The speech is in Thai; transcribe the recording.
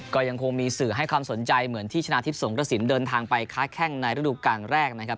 ก็ยังคงมีสื่อให้ความสนใจเหมือนที่ชนะทิพย์สงกระสินเดินทางไปค้าแข้งในฤดูการแรกนะครับ